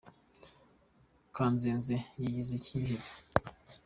Kanzenze yigize icyihebe.